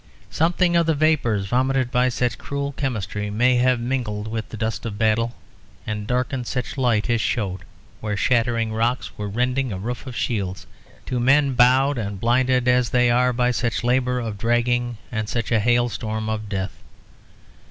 Something of the vapours vomited by such cruel chemistry may have mingled with the dust of battle, and darkened such light as showed where shattering rocks were rending a roof of shields, to men bowed and blinded as they are by such labour of dragging and such a hailstorm of death.